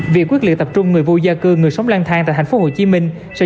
việc quyết liệu tập trung người vô gia cư người sống lang thang tại thành phố hồ chí minh sẽ